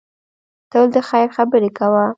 تل د خیر خبرې کوه.